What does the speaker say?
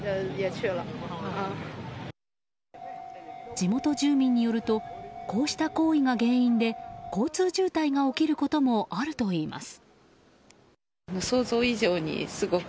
地元住民によるとこうした行為が原因で交通渋滞が起きることもあるといいます。